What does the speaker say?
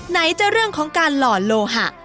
ไหนจะเรื่องของการหล่อโลหะ